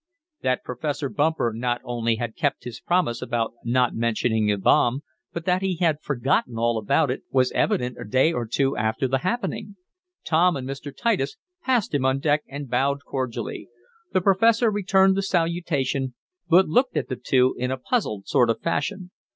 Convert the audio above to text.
That Professor Bumper not only had kept his promise about not mentioning the bomb, but that he had forgotten all about it, was evident a day or two after the happening. Tom and Mr. Titus passed him on deck, and bowed cordially. The professor returned the salutation, but looked at the two in a puzzled sort of fashion.